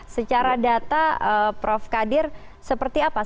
secara data prof kadir seperti apa